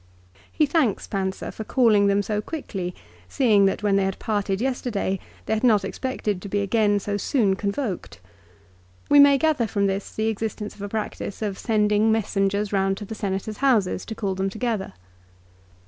He thanks Pansa for calling them so quickly, seeing that when they had parted yesterday they had not expected to be again so soon convoked. We may gather from this the existence of a practice of sending messengers round to the Senators' houses to call them together.